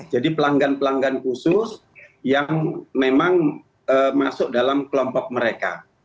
jadi pelanggan pelanggan khusus yang memang masuk dalam kelompok mereka